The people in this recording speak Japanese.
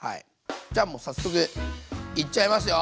じゃあもう早速いっちゃいますよ。